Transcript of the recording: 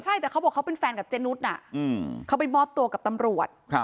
ใช่แต่เขาบอกเขาเป็นแฟนกับเจนุสน่ะเขาไปมอบตัวกับตำรวจ